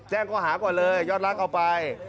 แจ้งข้อหาก่อนเลยยอดรักเอาไป